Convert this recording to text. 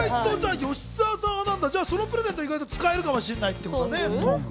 吉沢さんはそのプレゼント、意外と使えるかもしれないってことだね。